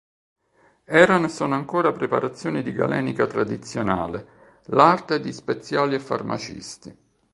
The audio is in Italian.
Erano e sono ancora preparazioni di galenica tradizionale, l'arte di speziali e farmacisti.